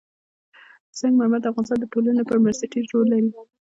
سنگ مرمر د افغانستان د ټولنې لپاره بنسټيز رول لري.